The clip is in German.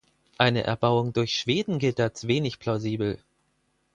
Eine Erbauung durch Schweden gilt als wenig plausibel.